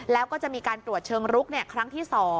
แล้วก็จะมีการตรวจเชิงรุกครั้งที่๒